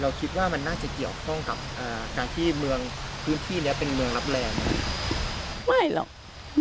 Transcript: คิดว่ามันน่าจะเกี่ยวข้องกับการที่เมืองพื้นที่นี้เป็นเมืองรับแรงไม่หรอก